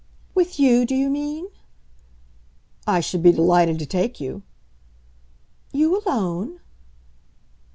"With you, do you mean?" "I should be delighted to take you." "You alone?"